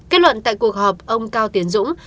kết luận tại cuộc họp ông cao tiến dũng